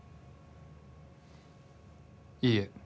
いいえ。